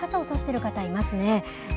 傘をさしている方いますね。